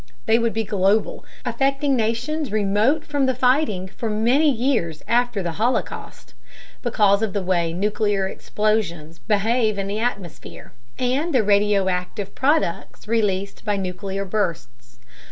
They would be global, affecting nations remote from the fighting for many years after the holocaust, because of the way nuclear explosions behave in the atmosphere and the radioactive products released by nuclear bursts.